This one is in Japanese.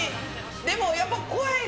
でもやっぱ声で。